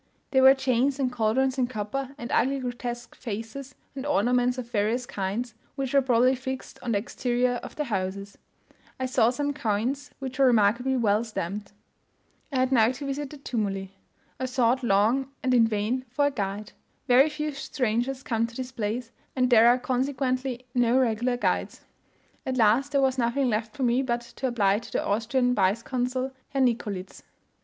There were chains and cauldrons in copper, and ugly grotesque faces and ornaments of various kinds, which were probably fixed on the exterior of the houses. I saw some coins which were remarkably well stamped. I had now to visit the tumuli. I sought long and in vain for a guide: very few strangers come to this place, and there are consequently no regular guides. At last there was nothing left for me but to apply to the Austrian Vice consul, Herr Nicolits.